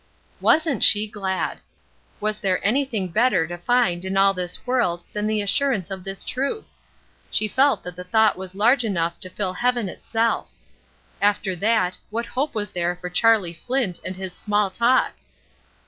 Wasn't she glad! Was there anything better to find in all this world than the assurance of this truth? She felt that the thought was large enough to fill heaven itself. After that, what hope was there for Charlie Flint and his small talk?